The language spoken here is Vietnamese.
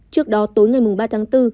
trước đó tối ngày ba tháng bốn